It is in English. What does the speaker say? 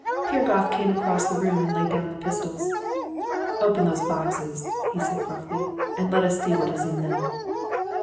"Piragoff came across the room and laid down the pistols. "'Open those boxes,' he said gruffly, 'and let us see what is in them.'